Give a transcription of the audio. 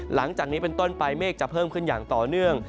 หลังจากนี้เป็นต้นไปเมฆจะเพิ่มขึ้นอย่างต่อเนื่อง